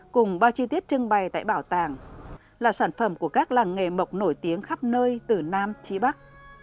cùng bao chi tiết trưng bày tại bảo tàng là sản phẩm của các làng nghề mộc nổi tiếng khắp nơi từ nam trí bắc